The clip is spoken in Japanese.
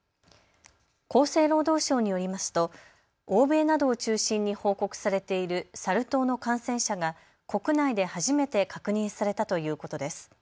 厚生労働省によりますと欧米などを中心に報告されているサル痘の感染者が国内で初めて確認されたということです。